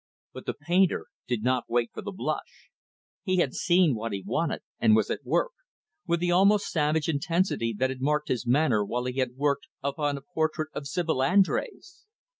But the painter did not wait for the blush. He had seen what he wanted and was at work with the almost savage intensity that had marked his manner while he had worked upon the portrait of Sibyl Andrés.